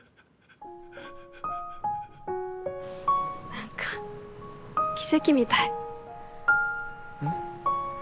何か奇跡みたいうん？